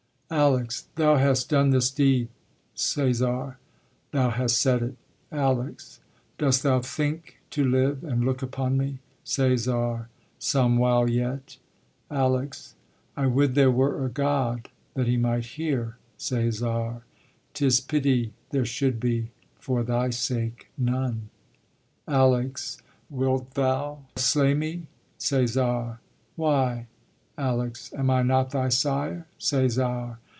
ALEX. Thou hast done this deed. CÆSAR. Thou hast said it. ALEX. Dost thou think To live, and look upon me? CÆSAR. Some while yet. ALEX. I would there were a God that he might hear. CÆSAR. 'Tis pity there should be for thy sake none. ALEX. Wilt thou slay me? CÆSAR. Why? ALEX. Am I not thy sire? CÆSAR.